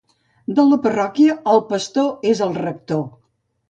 De la parròquia, el pastor és el rector.